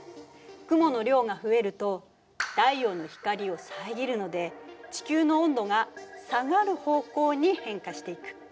雲の量が増えると太陽の光を遮るので地球の温度が下がる方向に変化していく。